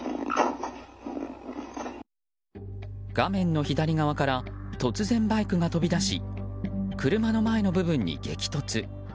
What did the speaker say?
画面の左側から突然バイクが飛び出し車の前の部分に激突。